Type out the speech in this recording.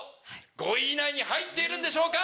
５位以内に入っているんでしょうか